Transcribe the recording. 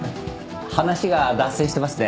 話が脱線してますね。